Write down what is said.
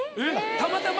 たまたま？